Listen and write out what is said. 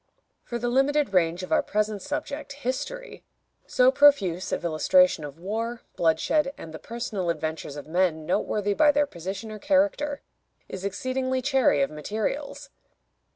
For the limited range of our present subject, history, so profuse of illustration of war, bloodshed, and the personal adventures of men noteworthy by their position or character, is exceedingly chary of materials.